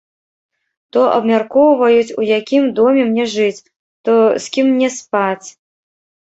То абмяркоўваюць, у якім доме мне жыць, то з кім мне спаць.